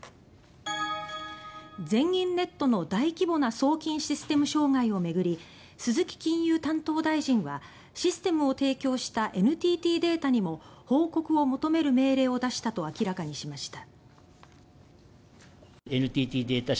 全銀ネットの大規模な送金システム障害を巡り鈴木金融担当大臣はシステムを提供したＮＴＴデータにも報告を求める命令を出したと明らかにしました。